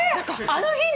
あの日に！？